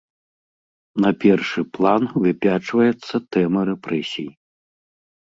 На першы план выпячваецца тэма рэпрэсій.